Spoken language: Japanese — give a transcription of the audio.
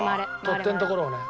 取っ手のところをね。